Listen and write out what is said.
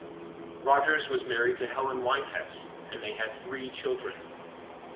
Rogers was married to Helen Wyn-Hesse and they had three children.